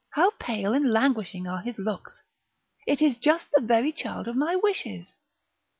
how pale and languishing are his looks! it is just the very child of my wishes!"